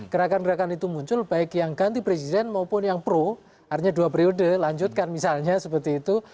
gerakan gerakan itu muncul baik yang ganti presiden maupun yang pro artinya dua periode lanjutkan misalnya seperti itu